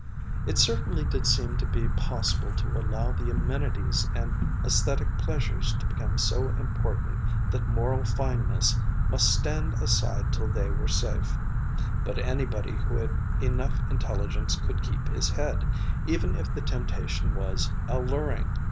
It certainly did seem to be possible to allow the amenities and aesthetic pleasures to become so important that moral fineness must stand aside till they were safe. But anybody who had enough intelligence could keep his head, even if the temptation was alluring.